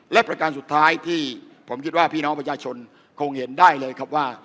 และประการสุดท้ายที่ผมคิดว่าพี่น้องประชาชนคงเห็นได้เลยครับว่า